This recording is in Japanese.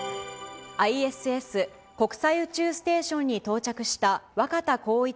ＩＳＳ・国際宇宙ステーションに到着した若田光一